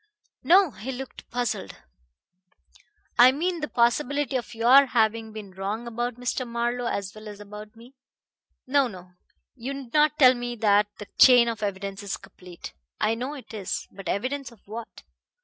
"No." He looked puzzled. "I mean the possibility of your having been wrong about Mr. Marlowe as well as about me. No, no; you needn't tell me that the chain of evidence is complete. I know it is. But evidence of what?